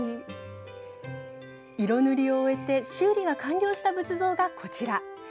色塗りを終えて修理が完了した仏像がこちら。